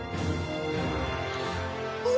お！